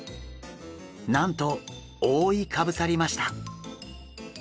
なんと覆いかぶさりました！